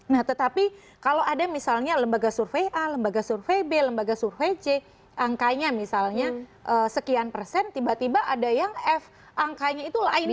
nah tetapi kalau ada misalnya lembaga survei a lembaga survei b lembaga survei c angkanya misalnya sekian persen tiba tiba ada yang f angkanya itu lain